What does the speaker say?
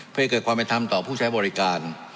เพื่อให้เกิดความเป็นธรรมต่อผู้ใช้บริการ